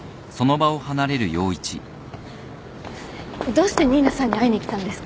どうして新名さんに会いに来たんですか？